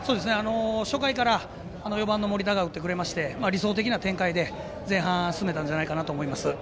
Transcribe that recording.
初回から、４番の森田が打ってくれまして理想的な展開で前半締めたんじゃないかと思います。